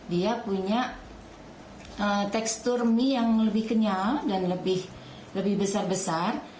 dia punya tekstur mie yang lebih kenyal dan lebih besar besar